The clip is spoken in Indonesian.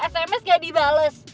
sms gak dibales